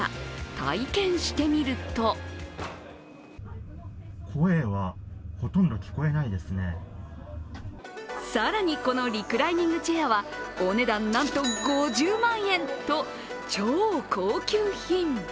体験してみると更に、このリクライニングチェアはお値段、なんと５０万円と超高級品。